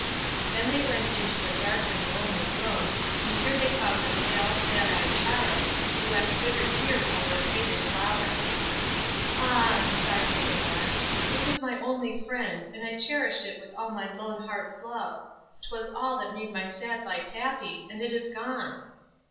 Then they went into a dark and lonely room, and here they found a pale, sad eyed child, who wept bitter tears over a faded flower. "Ah," sighed the little one, "it was my only friend, and I cherished it with all my lone heart's love; 't was all that made my sad life happy; and it is gone."